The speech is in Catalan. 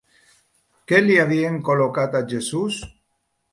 Què li havien col·locat a Jesús?